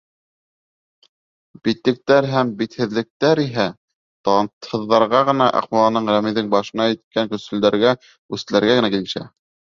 Битлектәр һәм битһеҙлектәр иһә талантһыҙҙарға ғына, Аҡмулланың, Рәмиҙең башына еткән көнсөлдәргә, үслеләргә генә килешә.